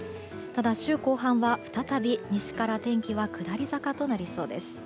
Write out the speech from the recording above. ただ、週後半は再び西から天気は下り坂となりそうです。